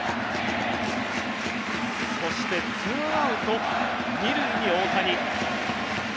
そしてツーアウト２塁は大谷。